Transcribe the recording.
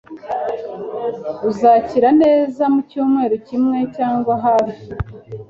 Uzakira neza mucyumweru kimwe cyangwa hafi.